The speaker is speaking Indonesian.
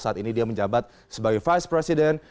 saat ini dia menjabat sebagai vice president